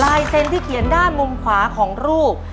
เซ็นที่เขียนด้านมุมขวาของรูป